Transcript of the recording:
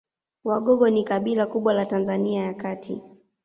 Wagogo ni kabila kubwa la Tanzania ya kati